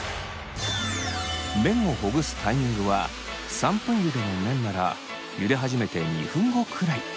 麺をほぐすタイミングは３分ゆでの麺ならゆで始めて２分後くらい。